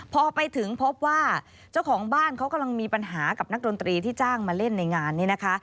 พอไปถึงพบว่าเจ้าของบ้านเขากำลังมีปัญหากับนักดนตรีที่จ้างมาเล่นในงานนี้นะคะ